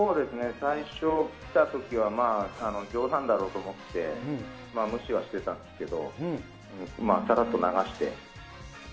最初、聞いたときはまあ、冗談だろうと思って、無視はしてたんですけど、さらっと流して。